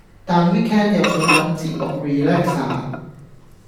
但 weekend 又想搵節目 relax 下